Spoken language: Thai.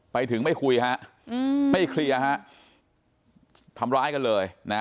ไปถึงไม่คุยฮะไม่เคลียร์ฮะทำร้ายกันเลยนะ